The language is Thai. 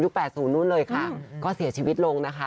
๘๐นู่นเลยค่ะก็เสียชีวิตลงนะคะ